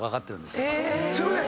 すいません。